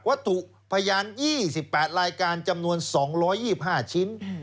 ถูกพยาน๒๘รายการจำนวน๒๒๕ชิ้น